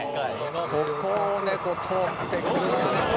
ここをね通ってくる」